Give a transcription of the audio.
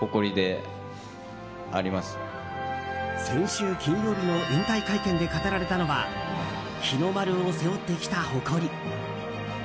先週金曜日の引退会見で語られたのは日の丸を背負ってきた誇り。